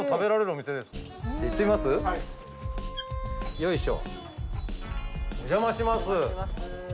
お邪魔します。